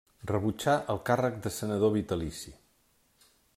Rebutjà el càrrec de senador vitalici.